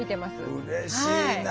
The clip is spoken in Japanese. うれしいな。